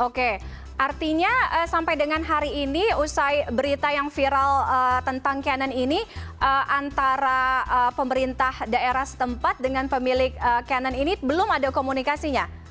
oke artinya sampai dengan hari ini usai berita yang viral tentang canon ini antara pemerintah daerah setempat dengan pemilik canon ini belum ada komunikasinya